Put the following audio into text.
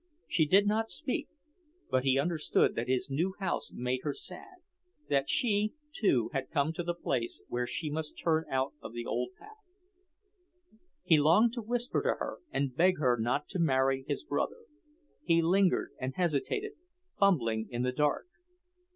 She did not speak, but he understood that his new house made her sad; that she, too, had come to the place where she must turn out of the old path. He longed to whisper to her and beg her not to marry his brother. He lingered and hesitated, fumbling in the dark.